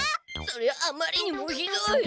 そりゃあまりにもひどい！